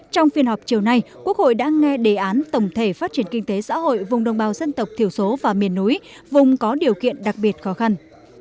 trong phiên họp chiều nay quốc hội đã nghe đề án tổng thể phát triển kinh tế xã hội vùng đồng bào dân tộc thiểu số và miền núi vùng có điều kiện đặc biệt khó khăn